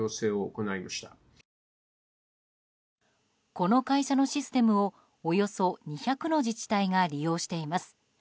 この会社のシステムをおよそ２００の自治体が利用しています。